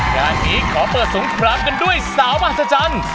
งานนี้ขอเปิดสรุปกันด้วยสาวบัธษจันทร์